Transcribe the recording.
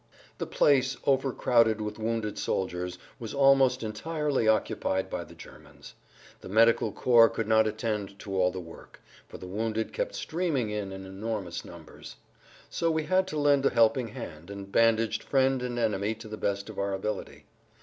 '" The place, overcrowded with wounded soldiers, was almost entirely occupied by the Germans. The medical corps could not attend to all the work, for the wounded kept streaming in in enormous numbers. So we had to lend a helping hand, and bandaged friend and enemy to the best of our ability.